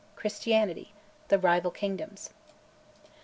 CHRISTIANITY THE RIVAL KINGDOMS.